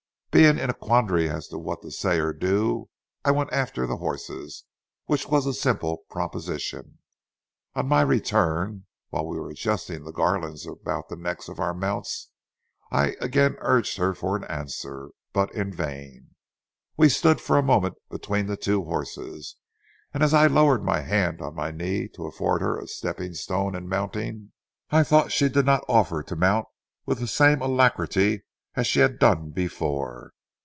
Being in a quandary as to what to say or do, I went after the horses, which was a simple proposition. On my return, while we were adjusting the garlands about the necks of our mounts, I again urged her for an answer, but in vain. We stood for a moment between the two horses, and as I lowered my hand on my knee to afford her a stepping stone in mounting, I thought she did not offer to mount with the same alacrity as she had done before.